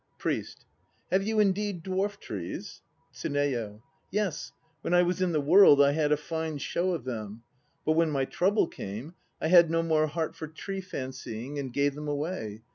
PRIEST. Have you indeed dwarf trees? TSUNEYO. Yes, when I was in the World I had a fine show of them; but when my trouble came I had no more heart for tree fancying, and gave them away.